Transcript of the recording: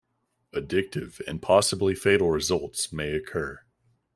Addictive and possibly fatal results may occur.